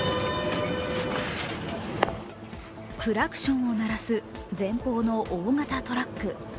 クラクションを鳴らす前方の大型トラック。